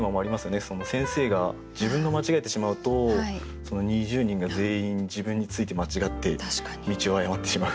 先生が自分が間違えてしまうと二十人が全員自分について間違って道を誤ってしまう。